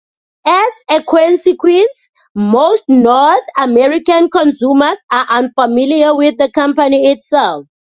As a consequence, most North American consumers are unfamiliar with the company itself.